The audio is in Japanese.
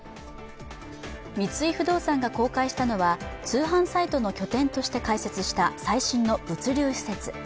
三井不動産が公開したのは通販サイトの拠点として開発した最新の物流施設。